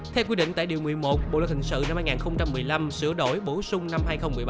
theo quy định tại điều một mươi một bộ luật hình sự năm hai nghìn một mươi năm sửa đổi bổ sung năm hai nghìn một mươi bảy